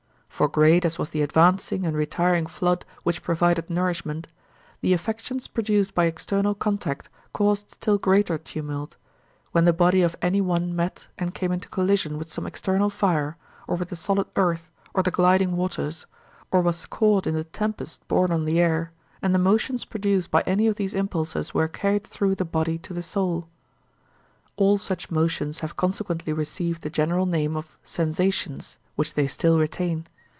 For great as was the advancing and retiring flood which provided nourishment, the affections produced by external contact caused still greater tumult—when the body of any one met and came into collision with some external fire, or with the solid earth or the gliding waters, or was caught in the tempest borne on the air, and the motions produced by any of these impulses were carried through the body to the soul. All such motions have consequently received the general name of 'sensations,' which they still retain.